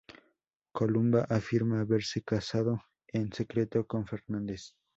Columba afirma haberse casado en secreto con Fernández.